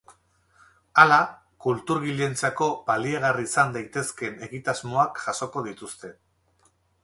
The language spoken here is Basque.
Hala, kulturgileentzako baliagarri izan daitezken egitasmoak jasoko dituzte.